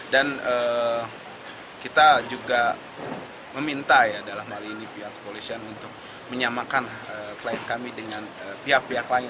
dan kita juga meminta ya dalam hal ini pihak polisi untuk menyamakan klien kami dengan pihak pihak lain